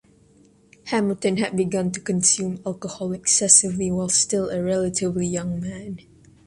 Hamilton had begun to consume alcohol excessively while still a relatively young man.